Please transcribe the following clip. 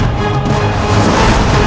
aku ingin menemukanmu